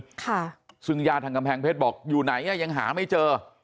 ค่ะซึ่งญาติทางกำแพงเพชรบอกอยู่ไหนอ่ะยังหาไม่เจอ